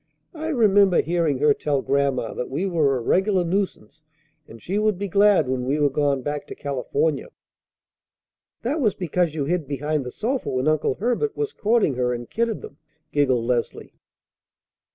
I remember hearing her tell Grandma that we were a regular nuisance, and she would be glad when we were gone back to California." "That was because you hid behind the sofa when Uncle Herbert was courting her, and kidded them," giggled Leslie.